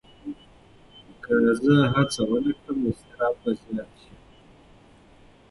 که زه هڅه ونه کړم، اضطراب به زیات شي.